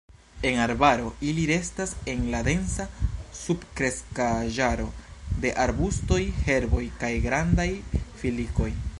En arbaro, ili restas en la densa subkreskaĵaro de arbustoj, herboj kaj grandaj filikoj.